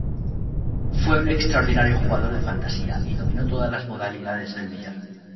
Fue un extraordinario jugador de fantasía y dominó todas las modalidades del billar.